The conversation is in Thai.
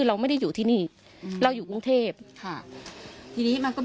เราเดินหาข้อมูลในพื้นที่นะครับ